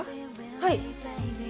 はい。